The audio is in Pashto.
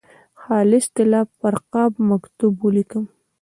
خالصې طلا پر قاب مکتوب ولیکم.